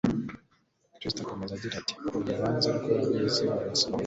Kristo akomeza agira ati: "Ubu urubanza rw'ab'isi rurasohoye.